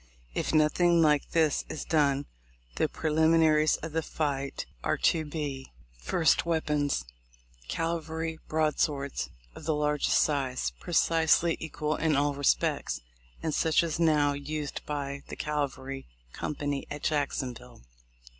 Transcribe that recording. If nothing like this is done, the preliminaries of the fight are to be : 1st. Weapons: — Cavalry broadswords of the largest size, precisely equal in all respects, and such as now used by the cavalry company at Jackson ville.